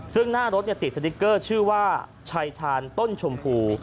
ซึ่งหน้ารถติดสติ๊กเกอร์ชื่อว่าชายชาญต้นชมพู